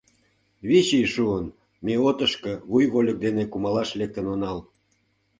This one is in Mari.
Вич ий шуын — ме отышко вуй вольык дене кумалаш лектын онал.